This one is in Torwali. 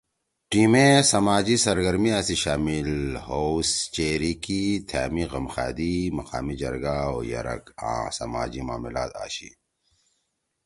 ٹیمے سماجی سرگرمیا می شامل ہؤ چیری کی تھأمی غم خادی، مقامی جرگہ او یَرَگ آں سماجی معاملات آشی۔